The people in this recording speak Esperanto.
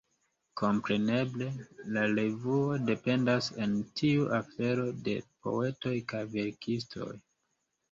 Kompreneble, la revuo dependas en tiu afero de poetoj kaj verkistoj.